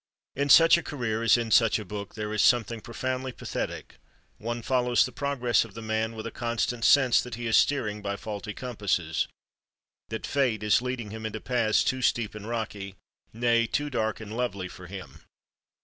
In such a career, as in such a book, there is something profoundly pathetic. One follows the progress of the man with a constant sense that he is steering by faulty compasses, that fate is leading him into paths too steep and rocky—nay, too dark and lovely—for him.